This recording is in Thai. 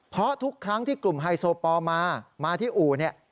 เพราะทุกครั้งที่กลุ่มไฮโซปอลมามาที่อู่เนี่ย